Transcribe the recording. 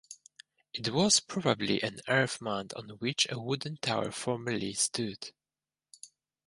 It was probably an earth mound on which a wooden tower formerly stood.